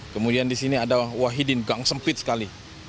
kemudian di sini ada wahidin gang sempit sekali